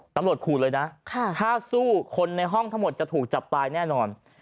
ตำรวจขู่เลยนะถ้าสู้คนในห้องทั้งหมดจะถูกจับตายแน่นอน